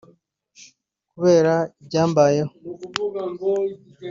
"Kubera ibyambayeho